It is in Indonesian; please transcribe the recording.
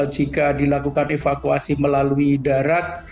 jika dilakukan evakuasi melalui darat